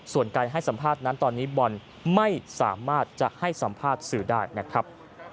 ส่วนการให้สัมภาษณ์นั้นตอนนี้บอลไม่สามารถจะให้สัมภาษณ์สื่อได้นะครับ